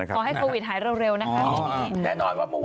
ขอให้โควิดหายเร็วนะคะ